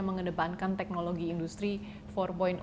mengedepankan teknologi industri empat